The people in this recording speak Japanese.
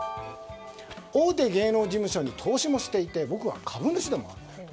大手芸能事務所に投資もしていて僕は株主でもある。